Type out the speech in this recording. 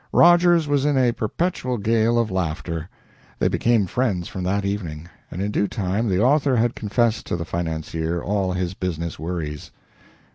Rogers was in a perpetual gale of laughter. They became friends from that evening, and in due time the author had confessed to the financier all his business worries.